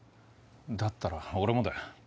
だったら俺もだよ。